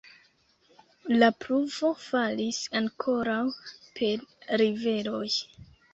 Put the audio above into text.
La pluvo falis ankoraŭ per riveroj.